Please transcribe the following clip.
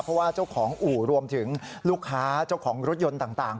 เพราะว่าเจ้าของอู่รวมถึงลูกค้าเจ้าของรถยนต์ต่าง